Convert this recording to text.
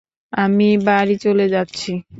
আমি বাড়ি চলে যাচ্ছি।